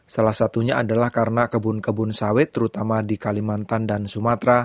salah satunya adalah karena kebun kebun sawit terutama di kalimantan dan sumatera